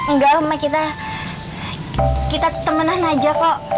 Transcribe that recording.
nggak ma kita temenan aja kok